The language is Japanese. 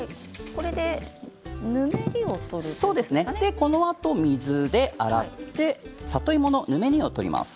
このあと水で洗って里芋の、ぬめりを取ります。